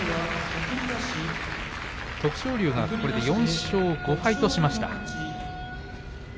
徳勝龍がこれで４勝５敗としました。